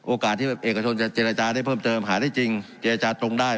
ที่เอกชนจะเจรจาได้เพิ่มเติมหาได้จริงเจรจาตรงได้